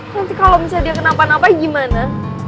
nanti kalau misalnya dia kenapa napa gimana